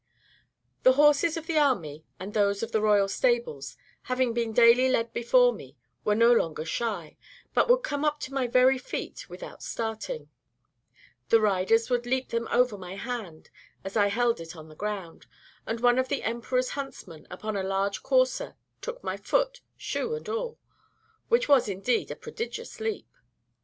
The horses of the army, and those of the royal stables, having been daily led before me, were no longer shy, but would come up to my very feet without starting, The riders would leap them over my hand as I held it on the ground, and one of the emperor's huntsmen, upon a large courser, took my foot, shoe and all; which was, indeed, a prodigious leap.